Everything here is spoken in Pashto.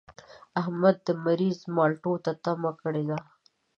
احمد د مريض مالټو ته تمه کړې ده.